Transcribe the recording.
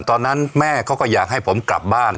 ตอนนั้นแม่เขาก็อยากให้ผมกลับบ้าน